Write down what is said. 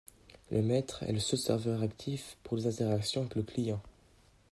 Le maître est le seul serveur actif pour les interactions avec le client.